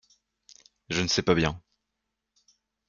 Je ne sais pas bien.